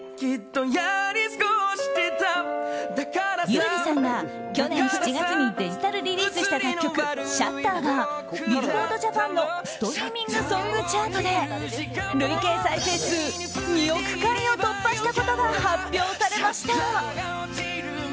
優里さんが去年７月にデジタルリリースした楽曲「シャッター」がビルボード・ジャパンのストリーミング・ソング・チャートで累計再生数２億回を突破したことが発表されました。